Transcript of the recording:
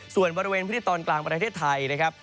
ส่วนบริเวณพื้นที่ตอนกลางประเทศไทยนะครับ